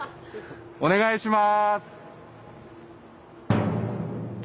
お願いします。